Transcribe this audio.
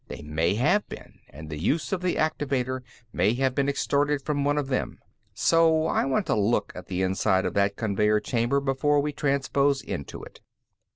They may have been, and the use of the activator may have been extorted from one of them. So I want a look at the inside of that conveyer chamber before we transpose into it."